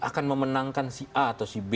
akan memenangkan si a atau si b